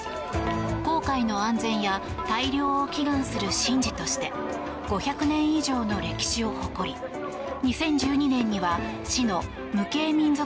航海の安全や大漁を祈願する神事として５００年以上の歴史を誇り２０１２年には市の無形民俗